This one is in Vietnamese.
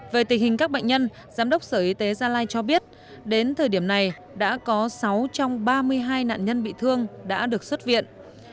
về tình hình các bệnh nhân giám đốc sở y tế gia lai cho biết đến thời điểm này đã có sáu trong ba mươi hai nạn nhân bị thương đã được xuất viện